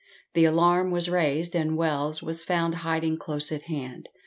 The alarm was raised, and Wells was found hiding close at hand.